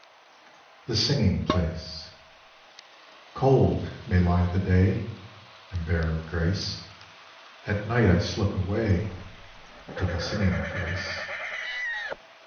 The Singing Place Lily A. Long COLD may lie the day, And bare of grace; At night I slip awayTo the Singing Place.